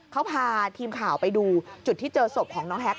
เขาพาทีมข่าวไปดูจุดที่เจอศพของน้องแฮ็ก